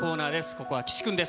ここは岸君です。